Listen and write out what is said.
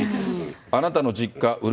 あなたの実家、売る？